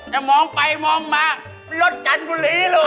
แต่มองไปมองมาเป็นรถจันทร์บุรีลูก